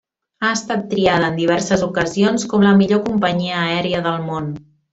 Ha estat triada, en diverses ocasions, com la millor companyia aèria del món.